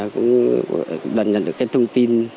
cũng đảm nhận được thông tin